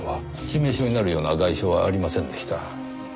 致命傷になるような外傷はありませんでした。